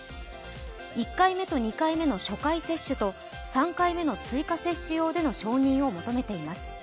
１回目と２回目の初回接種と３回目の追加接種用での承認を求めています。